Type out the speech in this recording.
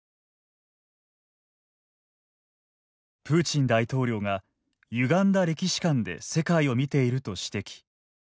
プーチン大統領がゆがんだ歴史観で世界を見ていると指摘。